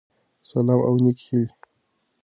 سلام او نيکي هیلی